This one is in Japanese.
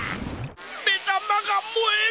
目玉が燃える！